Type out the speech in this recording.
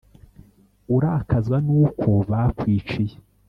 Urakazwa n'uko bakwiciye